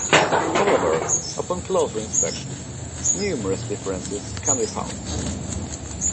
However, upon closer inspection, numerous differences can be found.